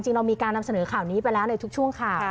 จริงเรามีการนำเสนอข่าวนี้ไปแล้วเลยทุกช่วงค่ะ